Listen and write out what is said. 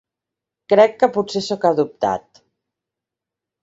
Crec que potser soc adoptat.